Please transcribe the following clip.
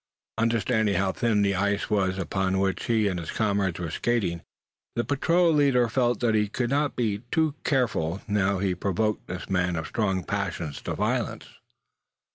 Understanding how thin was the ice upon which he and his comrades were skating, the patrol leader felt that he could not be too careful how he provoked this man of strong passions to violence.